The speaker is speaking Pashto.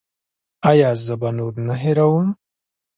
ایا زه به نور نه هیروم؟